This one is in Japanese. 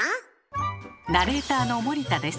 ナレーターの森田です。